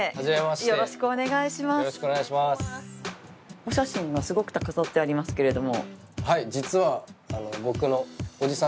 お写真がすごく飾ってありますけれども。